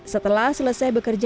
setelah selesai bekerja